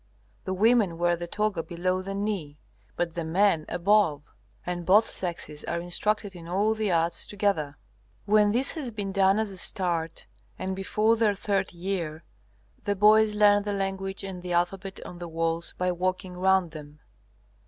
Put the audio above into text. The women wear the toga below the knee, but the men above; and both sexes are instructed in all the arts together. When this has been done as a start, and before their third year, the boys learn the language and the alphabet on the walls by walking round them.